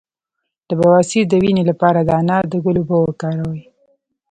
د بواسیر د وینې لپاره د انار د ګل اوبه وکاروئ